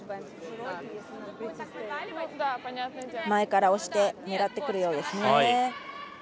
前から押して狙ってくるようです。